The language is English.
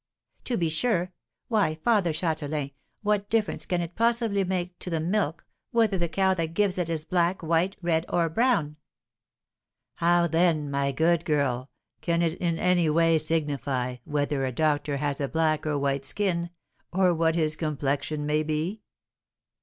"To be sure! why, Father Châtelain, what difference can it possibly make to the milk whether the cow that gives it is black, white, red, or brown?" "How, then, my good girl, can it in any way signify whether a doctor has a black or white skin, or what his complexion may be?"